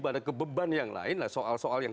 pada kebeban yang lain soal soal yang